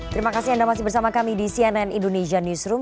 terima kasih anda masih bersama kami di cnn indonesia newsroom